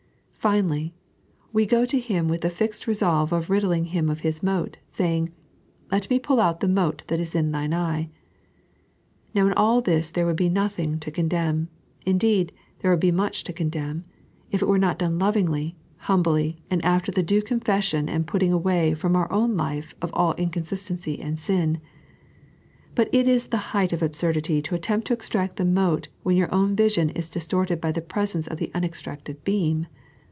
Finally, we go to him with the fixed resolve of ridding him of his mote, saying :" Let me pull out the mote that is in thine eye." Now in all this there would be nothing to condemn — indeed, there would be much to commend — if it were done lovingly, humbly, and after the due confession and putting away from our own life of all inconsistency and sin ; but it is the height of absurdity to attempt to extract the mote when your own vision is dis torted by the presence of the unextracted beam.